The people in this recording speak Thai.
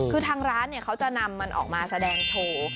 คือทางร้านเขาจะนำมันออกมาแสดงโชว์